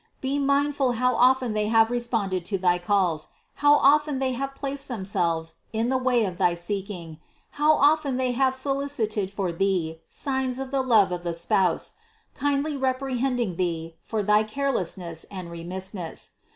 Be mindful how often they have responded to thy calls, how often they have placed themselves in the way of thy seeking, how often they have solicited for thee signs of the love of the Spouse, kindly reprehending thee for thy carelessness and remissness.